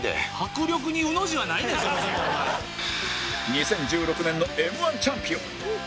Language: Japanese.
２０１６年の Ｍ−１ チャンピオン